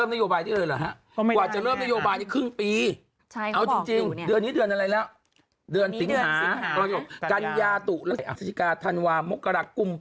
การหกเมื่อขอใจออก